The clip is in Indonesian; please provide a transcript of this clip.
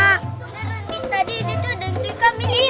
itu ada hantu ika mi